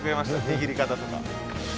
握り方とか。